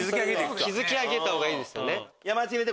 築き上げた方がいいですね。